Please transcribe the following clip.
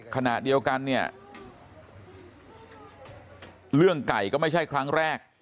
ขณะเดียวกันเนี่ยเรื่องไก่ก็ไม่ใช่ครั้งแรก